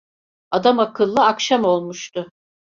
Adamakıllı akşam olmuştu.